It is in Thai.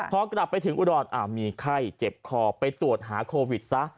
พอกลับไปถึงอุดรมีไข้เจ็บคอไปตรวจหาโควิดซะ